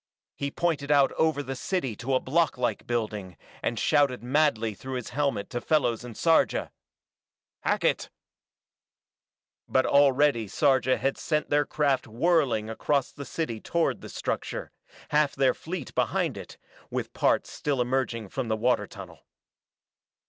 He pointed out over the city to a block like building, and shouted madly through his helmet to Fellows and Sarja: "Hackett!" But already Sarja had sent their craft whirling across the city toward the structure, half their fleet behind it, with part still emerging from the water tunnel.